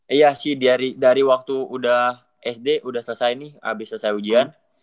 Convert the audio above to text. iya sih dari waktu udah sd udah selesai nih habis selesai ujian